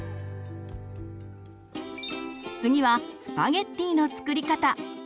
次はスパゲッティの作り方。